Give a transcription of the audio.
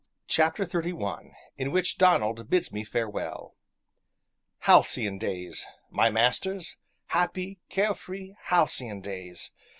CHAPTER XXXI IN WHICH DONALD BIDS ME FAREWELL Halcyon days! my masters, happy, care free, halcyon days!